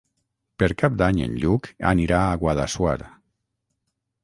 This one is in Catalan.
Per Cap d'Any en Lluc anirà a Guadassuar.